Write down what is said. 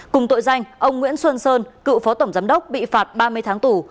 cùng tội danh ông nguyễn xuân sơn cựu phó tổng giám đốc bị phạt ba mươi tháng tù